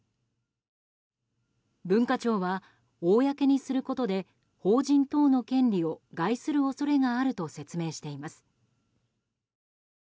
文化庁は公にすることで法人等の権利を害する恐れがあると説明しています。